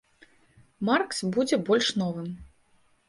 Маркс будзе больш новым.